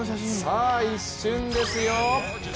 さあ、一瞬ですよ。